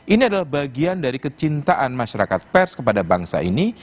ini adalah bagian dari kecintaan masyarakat pers kepada bangsa ini